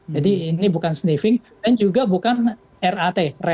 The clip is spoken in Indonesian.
jadi ini bukan sniffing dan juga bukan rat